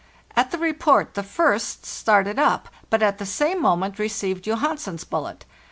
At the report the first started up, but at the same moment received Johansen's bullet.